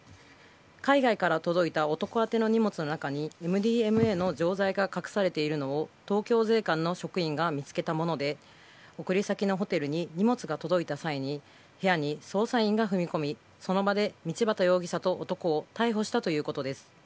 海外から届いた男宛ての荷物の中にＭＤＭＡの錠剤が隠されているのを東京税関の職員が見つけたもので送り先のホテルに荷物が届いた際に部屋に捜査員が踏み込みその場で道端容疑者と男を逮捕したということです。